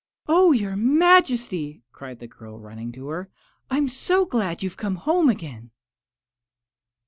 "Oh, your Majesty!" cried the girl, running to her, "I'm so glad you've come home again!"